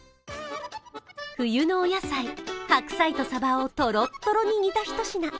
冬のお野菜、白菜とさばをトロットロに煮た一品。